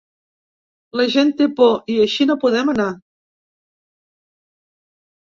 La gent té por i així no podem anar.